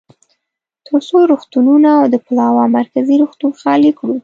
ترڅو روغتونونه او د پلاوا مرکزي روغتون خالي کړو.